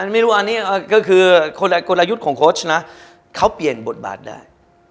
ไม่รู้อันนี้ก็คือกลยุทธ์ของโค้ชนะเขาเปลี่ยนบทบาทได้